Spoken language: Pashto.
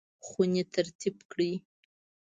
خونې ترتیب کړئ